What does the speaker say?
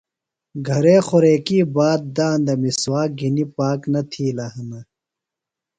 گھرے خوریکیۡ باد داندہ مِسواک گِھنیۡ پاک نہ تِھیلہ ہِنہ۔